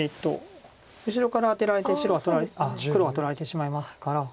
後ろからアテられて黒は取られてしまいますから。